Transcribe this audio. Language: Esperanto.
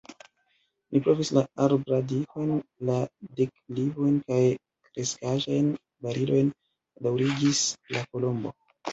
"Mi provis la arbradikojn, la deklivojn, kaj kreskaĵajn barilojn," daŭrigis la Kolombo.